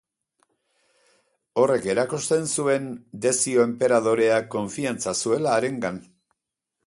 Horrek erakusten zuen Dezio enperadoreak konfiantza zuela harengan.